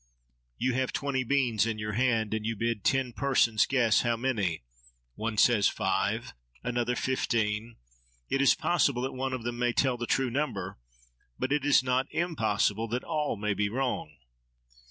You have twenty beans in your hand, and you bid ten persons guess how many: one says five, another fifteen; it is possible that one of them may tell the true number; but it is not impossible that all may be wrong.